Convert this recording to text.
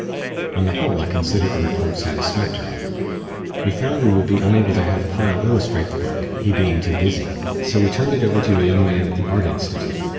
On the whole I considered the report satisfactory. We found we would be unable to have Pyle illustrate the book, he being too busy, so we turned it over to a young man at the Art Institute.